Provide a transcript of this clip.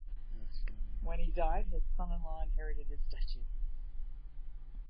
When he died, his son-in-law inherited his duchy.